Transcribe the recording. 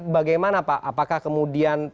bagaimana pak apakah kemudian